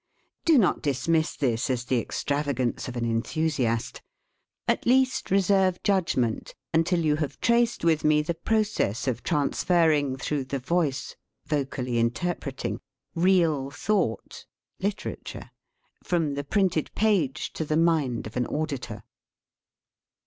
Do not dismiss this as the ex travagance of an enthusiast. At least, re serve judgment until you have traced with me the process of transferring through the voice (vocally interpreting) real thought (lit erature) from the printed page to the mind 37 THE SPEAKING VOICE of an auditor.